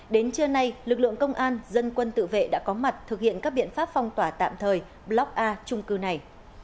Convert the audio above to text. đến trưa nay lực lượng công an dân quân tự vệ đã có mặt thực hiện các biện pháp phong tỏa tạm thời block a trung cư này